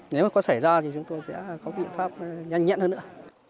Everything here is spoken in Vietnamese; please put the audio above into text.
nếu mà có xảy ra thì chúng tôi sẽ có biện pháp nhanh nhẹn hơn nữa